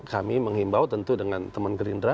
kami menghimbau tentu dengan teman gerindra